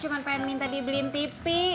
cuman pengen minta dibeliin tipi